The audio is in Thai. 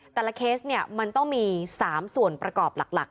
เคสเนี่ยมันต้องมี๓ส่วนประกอบหลัก